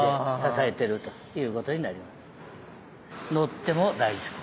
乗っても大丈夫。